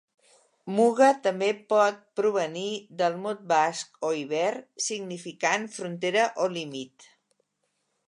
Muga també pot provenir del mot basc, o iber, significant frontera o límit.